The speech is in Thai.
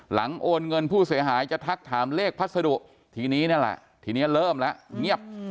โอนเงินผู้เสียหายจะทักถามเลขพัสดุทีนี้นั่นแหละทีนี้เริ่มแล้วเงียบ